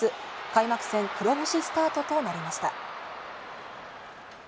開幕戦、黒星スタートとなりました。